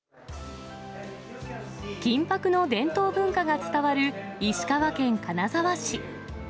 金ぱくの伝統文化が伝わる石川県金沢市。